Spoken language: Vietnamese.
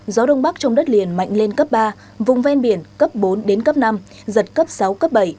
gió đông bắc trong đất liền mạnh lên cấp ba vùng ven biển cấp bốn đến cấp năm giật cấp sáu cấp bảy